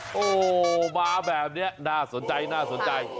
ใช่ไหมโอ้บาร์แบบนี้น่าสนใจ